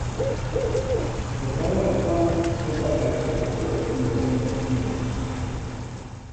De brân is kaam trochdat der fjoerwurk yn de winkel smiten is.